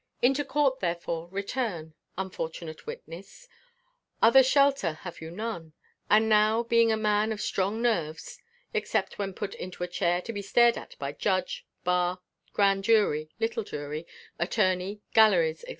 Into court therefore return, unfortunate witness; other shelter have you none; and now being a man of strong nerves, except when put into a chair to be stared at by judge, bar, grand jury, little jury, attorney, galleries, &c.